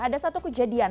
ada satu kejadian